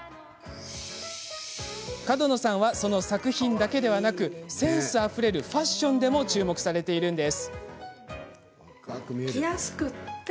角野さんは、その作品だけでなくセンスあふれるファッションでも注目されています。